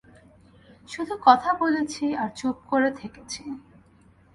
শুধু কথা বলেছি আর চুপ করে থেকেছি।